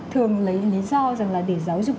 thường lấy lý do rằng là để giáo dục